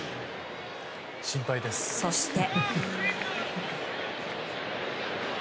そして。